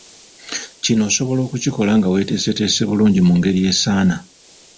Kino osobola okukikola nga weeteeseteese bulungi mu ngeri esaana.